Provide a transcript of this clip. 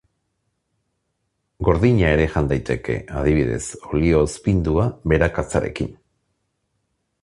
Gordina ere jan daiteke, adibidez olio-ozpindua berakatzarekin.